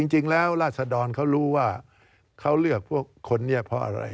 ราศดรเขารู้ว่าเขาเลือกพวกคนนี้เพราะอะไร